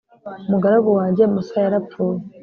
umugaragu wanjye musa yarapfuye